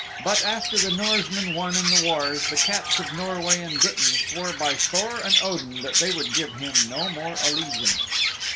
But after the Norsemen won in the wars the Cats of Norway and Britain swore by Thor and Odin that they would give him no more allegiance.